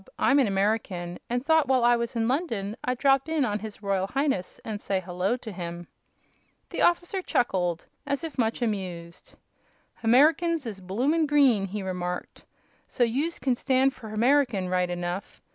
"I'm an American, and thought while I was in London I'd drop in on His Royal Highness and say 'hello' to him." The officer chuckled, as if much amused. "Hamericans is bloomin' green," he remarked, "so youse can stand for Hamerican, right enough.